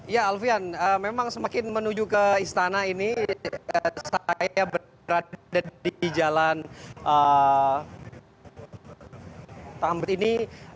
ya alfian memang semakin menuju ke istana ini saya berada di jalan tambet ini